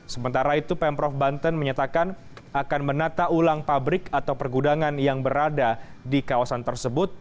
sementara itu pemprov banten menyatakan akan menata ulang pabrik atau pergudangan yang berada di kawasan tersebut